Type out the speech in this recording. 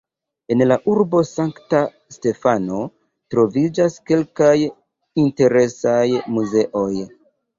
En la urbo Sankta Stefano troviĝas kelkaj interesaj muzeoj.